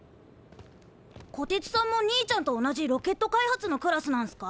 こてつさんも兄ちゃんと同じロケット開発のクラスなんすか？